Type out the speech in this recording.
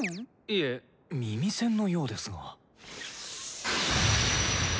いえ耳栓のようですが。